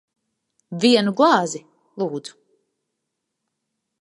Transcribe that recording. Vienu glāzi. Lūdzu.